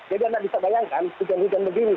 jadi anda bisa bayangkan hujan hujan begini